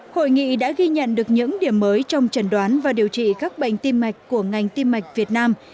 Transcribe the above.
hội nghị đã ghi nhận được những điểm mới trong trần đoán và điều trị các bệnh tim mạch của ngành tiêm mạch việt nam